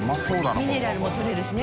ミネラルもとれるしね。